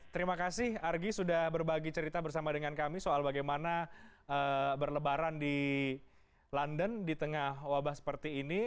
terima kasih argy sudah berbagi cerita bersama dengan kami soal bagaimana berlebaran di london di tengah wabah seperti ini